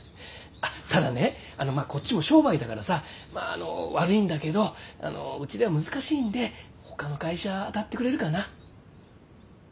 ただねこっちも商売だからさまああの悪いんだけどうちでは難しいんでほかの会社当たってくれるかな？